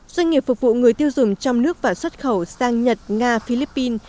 doanh nghiệp phục vụ người tiêu dùng trong nước và xuất khẩu sang nhật nga philippines